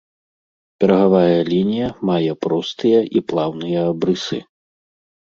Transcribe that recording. Берагавая лінія мае простыя і плаўныя абрысы.